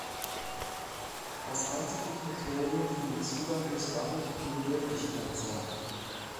Das einzige Kriterium für den Zugang muss damit die Bedürftigkeit sein.